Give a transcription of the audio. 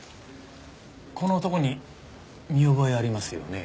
この男に見覚えありますよね？